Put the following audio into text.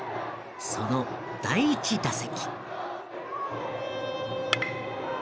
その第１打席。